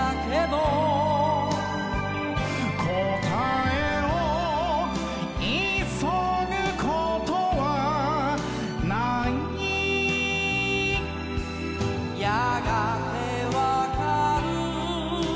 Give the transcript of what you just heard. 「答えを急ぐことはない」「やがてわかる」